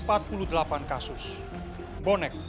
bonek pendukung kesebelasan